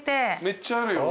めっちゃあるよ。